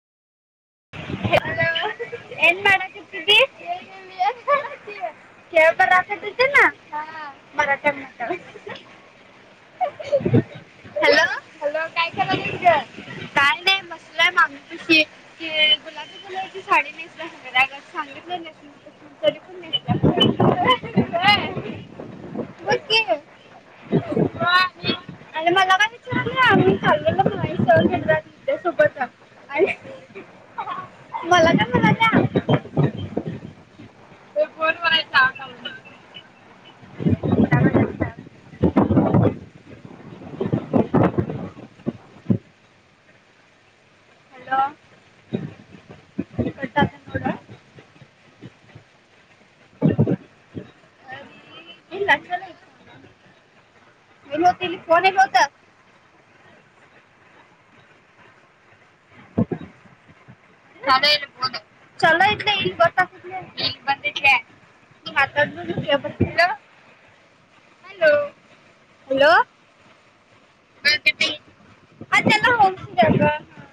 Hello. वेळ मिळल्यावर [unintelligible] हा. Hello. काय कराल्यास ग? काय नाही बसलोय मामी पशी ते गुलाबी कलरची साडी नाहीसल्या सांगितलं नेसू नको म्हणून तरी पण नेसल्या. होय [unintelligible] होय आणि मला काय विचारल्या मी चाललेलो मगा सहन केंद्रात त्यासोबत जा. मला काय म्हणा ते फोन फोनवर करायचा हाय [unintelligible] बरोबर आहे. हॅलो. [unintelligible] फोन येत होत. चाला येबोत चालो इतल बस [unintelligible] त हातात [unintelligible] हॅलो हॅलो [unintelligible] हा चलो. [unintelligible]